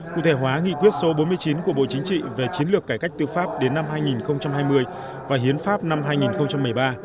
cụ thể hóa nghị quyết số bốn mươi chín của bộ chính trị về chiến lược cải cách tư pháp đến năm hai nghìn hai mươi và hiến pháp năm hai nghìn một mươi ba